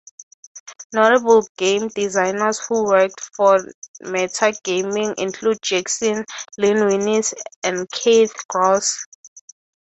Notable game designers who worked for Metagaming include Jackson, Lynn Willis and Keith Gross.